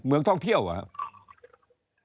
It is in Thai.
เมืองท่องเที่ยวหรอ